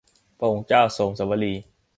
พระองค์เจ้าโสมสวลี